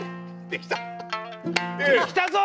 できたぞ！